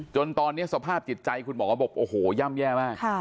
จนตอนนี้สภาพจิตใจคุณหมอบอกโอ้โหย่ำแย่มาก